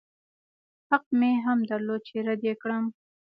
حق مې هم درلود چې رد يې کړم.